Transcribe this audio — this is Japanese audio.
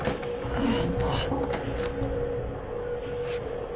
あっ。